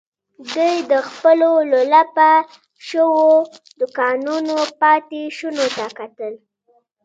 دوی د خپلو لولپه شويو دوکانونو پاتې شونو ته کتل.